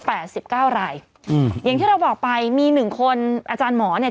สิบเก้ารายอืมอย่างที่เราบอกไปมีหนึ่งคนอาจารย์หมอเนี้ย